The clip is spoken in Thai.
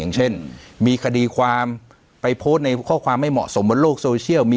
อย่างเช่นมีคดีความไปโพสต์ในข้อความไม่เหมาะสมบนโลกโซเชียล